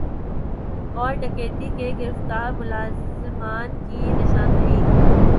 اور ڈکیتی کے گرفتار ملزمان کی نشاندہی